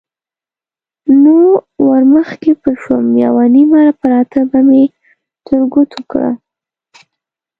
نو ورمخکې به شوم، یوه نیمه پراټه به مې تر ګوتو کړه.